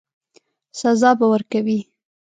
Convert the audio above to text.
سزا به ورکوي.